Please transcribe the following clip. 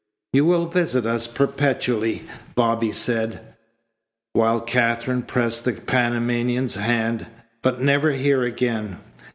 "You will visit us perpetually," Bobby said, while Katherine pressed the Panamanian's hand, "but never here again.